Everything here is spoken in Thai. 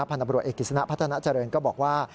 พันธ์ตำรวจเอกศิษณะพัฒนาเจริญก็บอกว่า